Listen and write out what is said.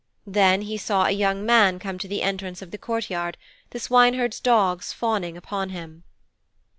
Then he saw a young man come to the entrance of the courtyard, the swineherd's dogs fawning upon him.